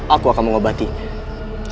aku akan mengobatinya